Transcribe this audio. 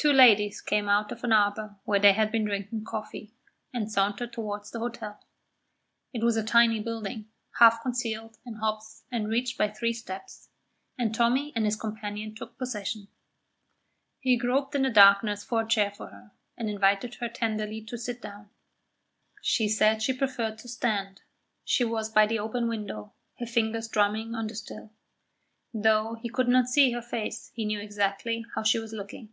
Two ladies came out of an arbour where they had been drinking coffee, and sauntered towards the hotel. It was a tiny building, half concealed in hops and reached by three steps, and Tommy and his companion took possession. He groped in the darkness for a chair for her, and invited her tenderly to sit down. She said she preferred to stand. She was by the open window, her fingers drumming on the sill. Though he could not see her face, he knew exactly how she was looking.